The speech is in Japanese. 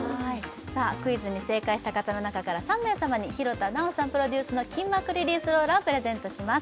クイズに正解した方の中から３名様に廣田なおさんプロデュースの筋膜リリースローラーをプレゼントします